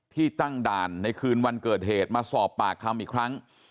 ตั้งด่านในคืนวันเกิดเหตุมาสอบปากคำอีกครั้ง